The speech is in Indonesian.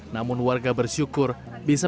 namun warga bersyukur bisa